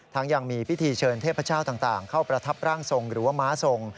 ยังมีพิธีเชิญเทพเจ้าต่างเข้าประทับร่างทรงหรือว่าม้าทรง